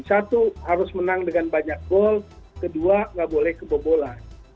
satu harus menang dengan banyak gol kedua nggak boleh kebobolan